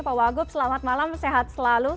pak wagub selamat malam sehat selalu